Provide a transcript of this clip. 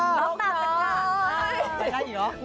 นอกต่างกันค่ะ